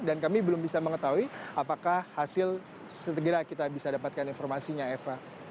dan kami belum bisa mengetahui apakah hasil setegera kita bisa dapatkan informasinya eva